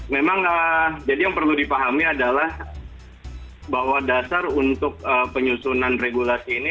memang jadi yang perlu dipahami adalah bahwa dasar untuk penyusunan regulasi ini